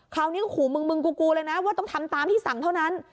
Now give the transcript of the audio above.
คราวนี้ขู่มึงกูเลยนะว่าต้องทำตามที่สั่งเท่านั้น